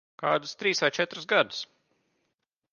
Kādus trīs vai četrus gadus.